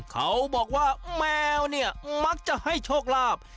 เขาบอกว่าแมวมากจะให้โชคลาบ